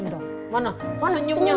cemberut senyum dong